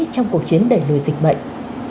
trong cuộc chiến đẩy lùi dịch bệnh